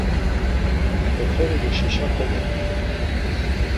Oxorimuşişa komoxt̆u.